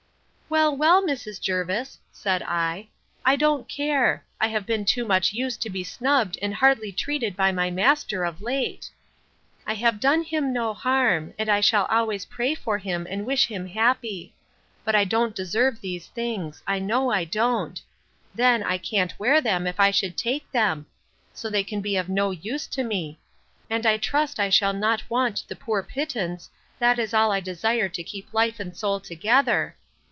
Well, well, Mrs. Jervis, said I, I don't care; I have been too much used to be snubbed and hardly treated by my master, of late. I have done him no harm; and I shall always pray for him and wish him happy. But I don't deserve these things; I know I don't. Then, I can't wear them, if I should take them; so they can be of no use to me: And I trust I shall not want the poor pittance, that is all I desire to keep life and soul together.